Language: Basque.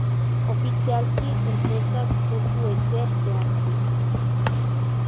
Ofizialki, enpresak ez du ezer zehaztu.